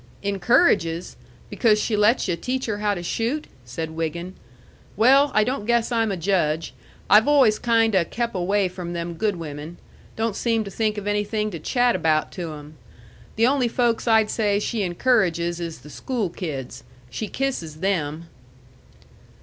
"Encourages? Because she lets yu' teach her how to shoot," said Wiggin. "Well I don't guess I'm a judge. I've always kind o' kep' away from them good women. Don't seem to think of anything to chat about to 'em. The only folks I'd say she encourages is the school kids. She kisses them."